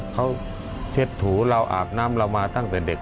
เขาเช็ดถูเราอาบน้ำเรามาตั้งแต่เด็ก